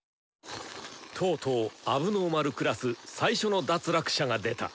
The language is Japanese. とうとう問題児クラス最初の脱落者が出た。